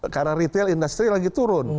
karena retail industri lagi turun